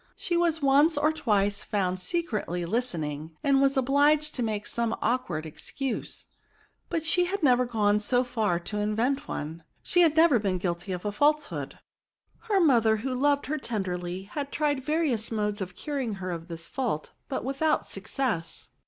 She was once or twice found secretly listen ing, and was obUged to make some awkward excuse ; but she had never gone so far as to invent one ; she had never been guilty of a falsehood. Her mother, who loved her ten derly, had tried various modes of curing her of this fault, but without success.